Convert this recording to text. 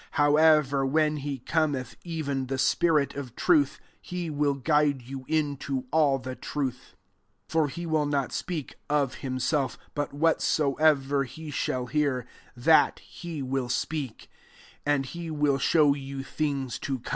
13 However, when he Cometh, even the spirit of truth, he will guide you into all the truth : for he will not speak of himself; but whatsoever he shall hear, that he will speak : and he will show you things to come.